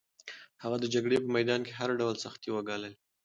هغه د جګړې په میدان کې هر ډول سختۍ وګاللې.